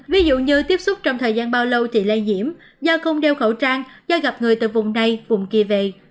ví dụ như tiếp xúc trong thời gian bao lâu thì lây nhiễm do không đeo khẩu trang do gặp người từ vùng này vùng kia về